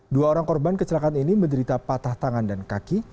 dua orang korban kecelakaan ini menderita patah tangan dan kaki